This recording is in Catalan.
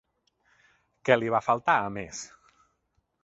Què li va faltar a Més?